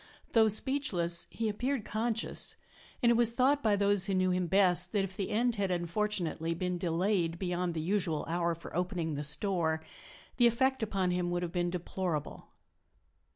Though speechless, he appeared conscious, and it was thought by those who knew him best that if the end had unfortunately been delayed beyond the usual hour for opening the store the effect upon him would have been deplorable.